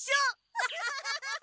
アハハハハハッ！